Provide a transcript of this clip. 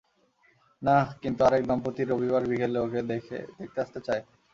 না, কিন্তু আরেক দম্পতি রবিবার বিকেলে ওকে দেখতে আসতে চায়।